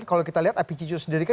kalau kita lihat apc jusdari kan